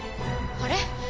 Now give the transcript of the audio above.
あれ？